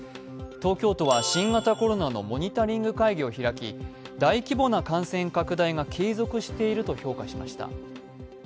東京都は新型コロナのモニタリング会議を開き大規模な感染拡大が継続していると評価しました。